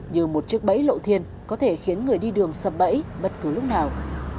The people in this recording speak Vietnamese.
như một chiếc bẫy lộ thiên có thể khiến người đi đường sập bẫy bất cứ lúc nào